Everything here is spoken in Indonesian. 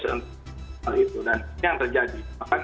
dan ini yang terjadi